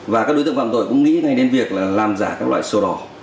và các đối tượng phạm tội cũng nghĩ ngay đến việc là làm giả các loại sổ đỏ